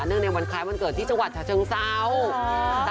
เนื่องในวันคล้ายวันเกิดที่จังหวัดฉะเชิงเซาค่ะ